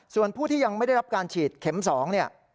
ส่วนผู้ที่ยังไม่ได้รับการฉีดเข็ม๒เนี่ย